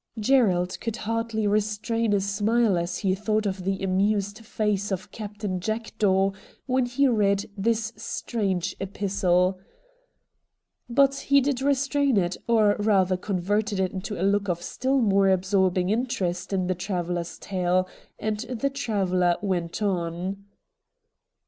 Gerald could hardly restrain a smile as he thought of the amused face of Captain Jack daw when he read this strange epistle. But 44 RED DIAMONDS he did restrain it, or rather converted it into a look of still more absorbing interest in the traveller's tale, and the traveller went on.